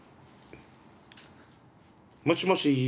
もしもし。